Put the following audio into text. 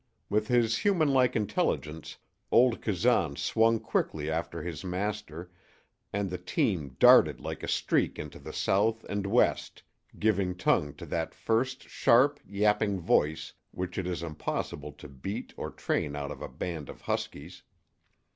With his humanlike intelligence old Kazan swung quickly after his master, and the team darted like a streak into the south and west, giving tongue to that first sharp, yapping voice which it is impossible to beat or train out of a band of huskies.